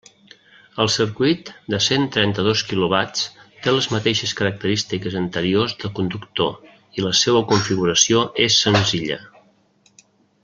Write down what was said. El circuit de cent trenta-dos quilovats, té les mateixes característiques anteriors de conductor, i la seua configuració és senzilla.